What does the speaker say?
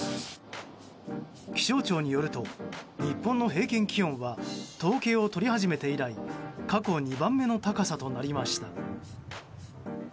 気象庁によると日本の平均気温は統計を取り始めて以来過去２番目の高さとなりました。